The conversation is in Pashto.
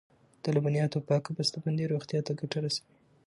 د لبنیاتو پاکه بسته بندي روغتیا ته ګټه رسوي.